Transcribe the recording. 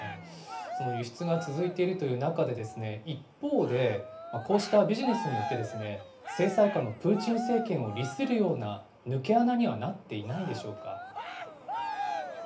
その輸出が続いているという中で、一方でこうしたビジネスによって制裁下のプーチン政権を利するような、抜け穴にはなっていないんでしょうか。